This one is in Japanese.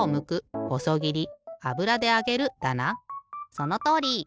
そのとおり！